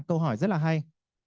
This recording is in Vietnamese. câu hỏi rất là hay